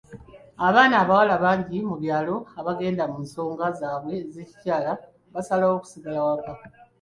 Abaana abawala bangi mu byalo abagenda mu nsonga zaabwe ez'ekikyala basalawo kusigala waka.